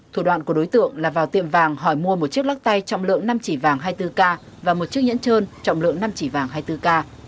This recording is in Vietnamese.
thủ đoạn của đối tượng là vào tiệm vàng hỏi mua một chiếc lắc tay trọng lượng năm chỉ vàng hai mươi bốn k và một chiếc nhẫn trơn trọng lượng năm chỉ vàng hai mươi bốn k